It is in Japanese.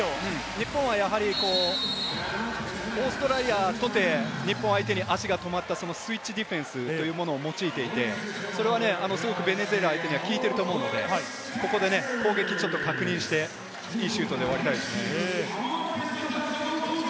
日本はオーストラリアとて日本相手に足が止まったスイッチディフェンスというものを用いていて、それはベネズエラ相手には効いていると思うので、ここで攻撃ちょっと確認して、シュートで終わりたいですね。